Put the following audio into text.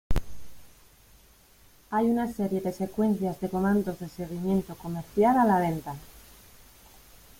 Hay una serie de secuencias de comandos de seguimiento comercial a la venta.